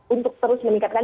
untuk terus meningkatkan